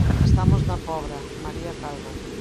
Estamos na Pobra, María Calvo.